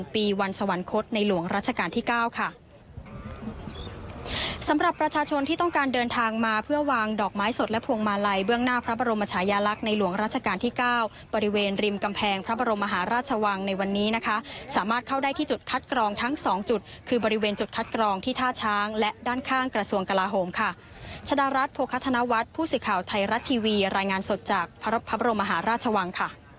สวัสดีคุณครับสวัสดีคุณครับสวัสดีคุณครับสวัสดีคุณครับสวัสดีคุณครับสวัสดีคุณครับสวัสดีคุณครับสวัสดีคุณครับสวัสดีคุณครับสวัสดีคุณครับสวัสดีคุณครับสวัสดีคุณครับสวัสดีคุณครับสวัสดีคุณครับสวัสดีคุณครับสวัสดีคุณครับสวัสดีคุณครับ